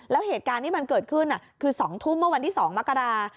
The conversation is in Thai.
แล้วเหตุการณ์ที่มันเกิดขึ้นคือ๒ทุ่มเมื่อวันที่๒มกรา